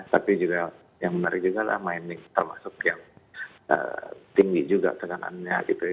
tapi juga yang menarik juga lah minding termasuk yang tinggi juga tekanannya gitu ya